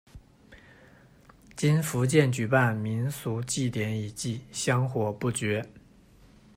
今福建举办民俗祭典以祭，香火不绝。